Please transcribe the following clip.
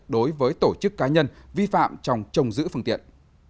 đối với tổ chức cá nhân vi phạm trong trông giữ phương tiện